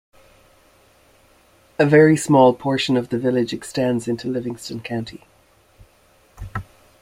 A very small portion of the village extends into Livingston County.